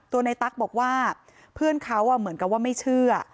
ในตั๊กบอกว่าเพื่อนเขาเหมือนกับว่าไม่เชื่อ